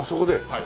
はい。